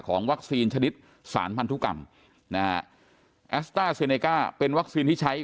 วัคซีนชนิดสารพันธุกรรมนะฮะแอสต้าเซเนก้าเป็นวัคซีนที่ใช้